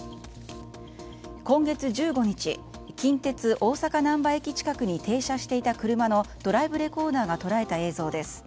今月１５日近鉄大阪難波駅近くに停車していた車のドライブレコーダーが捉えた映像です。